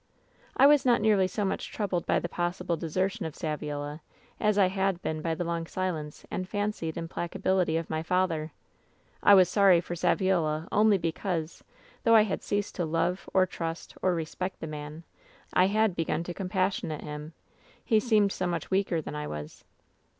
"I was not nearly so much troubled by the possible desertion of Saviola as I had been by the long silence and fancied implacability of my father. I was sorry for Saviola only because, though I had ceased to love, or trust, or respect the man, I had begun to compassionate him. He seemed so much weaker than I was.